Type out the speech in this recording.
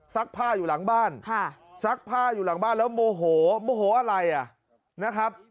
ผ้าอยู่หลังบ้านซักผ้าอยู่หลังบ้านแล้วโมโหโมโหอะไรอ่ะนะครับ